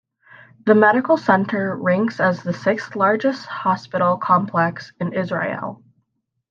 The Medical Center ranks as the sixth-largest hospital complex in Israel.